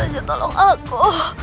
siapa saja tolong aku